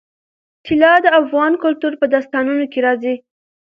طلا د افغان کلتور په داستانونو کې راځي.